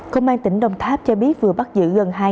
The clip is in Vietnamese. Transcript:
công an tỉnh đồng tháp cho biết vừa bắt giữ gần